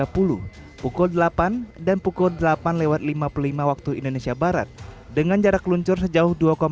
pukul delapan dan pukul delapan lewat lima puluh lima waktu indonesia barat dengan jarak luncur sejauh